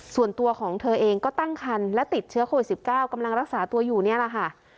ส่วนตัวของเธอเองก็ตั้งคันและติดเชื้อโควิด๑๙กำลังรักษาตัวอยู่นี่แหละค่ะ